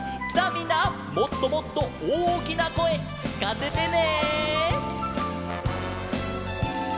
みんなもっともっとおおきなこえきかせてね！